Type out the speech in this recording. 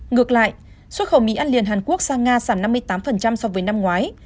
ngược lại xuất khẩu mỹ ăn liền hàn quốc sang nga sảm năm mươi tám so với năm ngoái